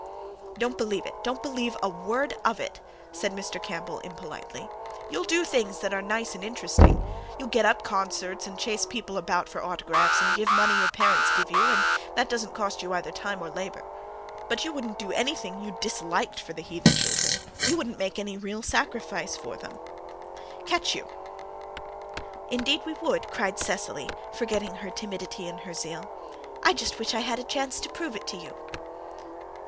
"Don't believe it don't believe a word of it," said Mr. Campbell impolitely. "You'll do things that are nice and interesting. You'll get up concerts, and chase people about for autographs and give money your parents give you and that doesn't cost you either time or labour. But you wouldn't do anything you disliked for the heathen children you wouldn't make any real sacrifice for them catch you!" "Indeed we would," cried Cecily, forgetting her timidity in her zeal. "I just wish I had a chance to prove it to you."